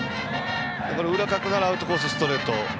裏をかくならアウトコースのストレート。